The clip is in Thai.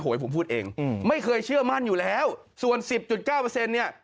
โหยผมพูดเองไม่เคยเชื่อมั่นอยู่แล้วส่วน๑๐๙เนี่ย